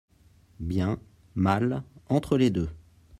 Bien/ mal/ entre les deux.